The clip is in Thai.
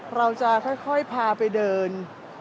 เราจะค่อยพาไปเดิน